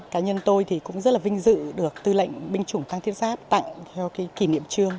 cá nhân tôi thì cũng rất là vinh dự được tư lệnh binh chủng tăng thiết giáp tặng theo cái kỷ niệm trương